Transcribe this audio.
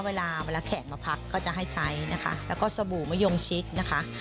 เวลาเวลาแขกมาพักก็จะให้ใช้นะคะแล้วก็สบู่มะยงชิดนะคะ